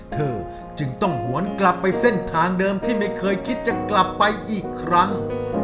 เธอจึงต้องหวนกลับไปเส้นทางเดิมที่ไม่เคยคิดจะกลับไปอีกครั้ง